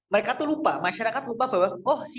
mereka itu lupa masyarakat lupa bahwa oh si